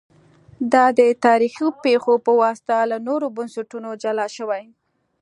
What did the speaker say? دا د تاریخي پېښو په واسطه له نورو بنسټونو جلا شوي